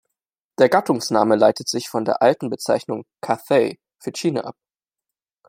Der Gattungsname leitet sich von der alten Bezeichnung „Cathay“ für China ab.